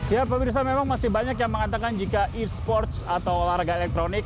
ya pemirsa memang masih banyak yang mengatakan jika e sports atau olahraga elektronik